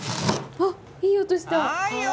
あいい音した！